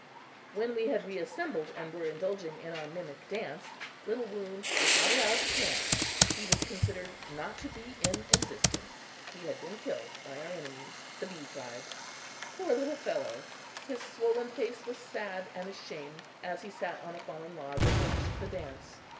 When we had reassembled and were indulging in our mimic dance, Little Wound was not allowed to dance. He was considered not to be in existence he had been killed by our enemies, the Bee tribe. Poor little fellow! His swollen face was sad and ashamed as he sat on a fallen log and watched the dance.